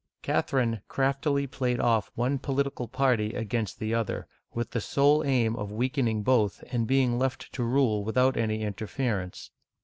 Catherine craftily played off one political party against the other, with the sole aim of weakening both and being left to rule without any interference.